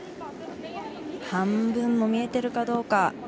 半分も見えているかどうか。